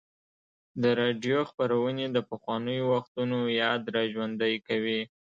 د راډیو خپرونې د پخوانیو وختونو یاد راژوندی کوي.